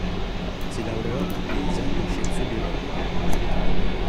Si laureò a Pisa in Scienze biologiche.